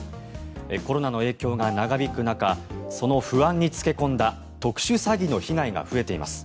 コロナの影響が長引く中その不安に付け込んだ特殊詐欺の被害が増えています。